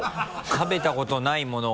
食べたことないものが。